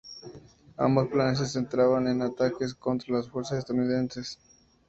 Ambos planes se centraban en ataques contra las fuerzas estadounidenses.